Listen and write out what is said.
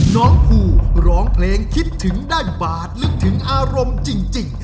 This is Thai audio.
น้องภูร้องเพลงคิดถึงได้บาดลึกถึงอารมณ์จริง